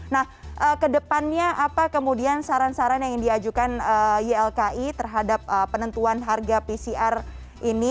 nah kedepannya apa kemudian saran saran yang diajukan ylki terhadap penentuan harga pcr ini